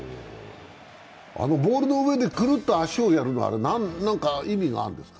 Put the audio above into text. ボールのうえでくるっと足をやるのは何か意味があるんですか？